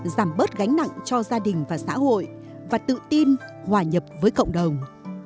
giảm bớt gánh nặng cho gia đình và xã hội và tự tin hòa nhập với cộng đồng